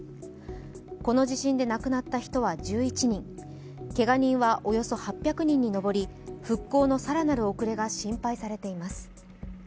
この地震で亡くなった人は１１人、けが人はおよそ８００人に上り復興の更なる遅れが心配されています。